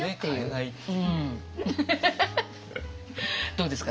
どうですか？